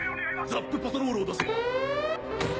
ザップ・パトロールを出せ。